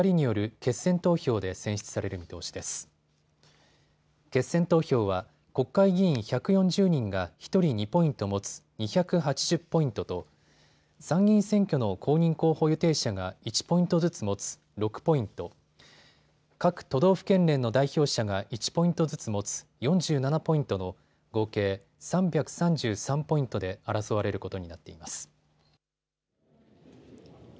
決選投票は国会議員１４０人が１人２ポイント持つ２８０ポイントと参議院選挙の公認候補予定者が１ポイントずつ持つ６ポイント、各都道府県連の代表者が１ポイントずつ持つ４７ポイントの合計３３３ポイントで争われることになっています。